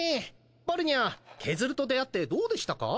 バルニャーケズルと出会ってどうでしたか？